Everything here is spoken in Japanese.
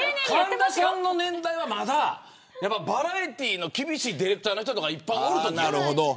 神田さんの年代はまだバラエティーの厳しいディレクターさんがいっぱいいるとき。